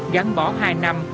gắn bỏ hai năm